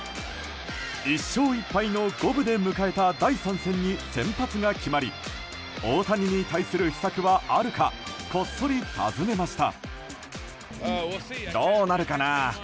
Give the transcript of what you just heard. １勝１敗の五分で迎えた第３戦に先発が決まり大谷に対する秘策はあるかこっそり尋ねました。